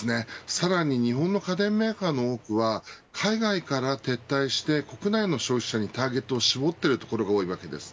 さらに日本の家電メーカーの多くは海外から撤退して国内の消費者にターゲットを絞っているところが多いです。